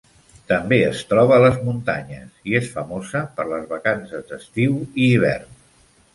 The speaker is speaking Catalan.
També es troba a les muntanyes i és famosa per les vacances d'estiu i hivern.